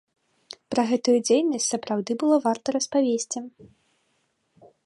Пра гэтую дзейнасць сапраўды было варта распавесці.